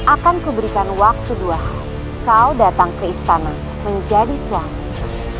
akan kuberikan waktu dua hari kau datang ke istana menjadi suami